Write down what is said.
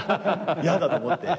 やだと思って。